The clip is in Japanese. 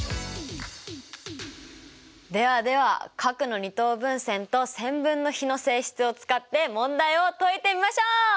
ではでは角の二等分線と線分の比の性質を使って問題を解いてみましょう！